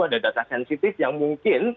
ada data sensitif yang mungkin